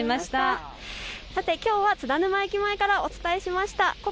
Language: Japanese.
さてきょうは津田沼駅前からお伝えしました。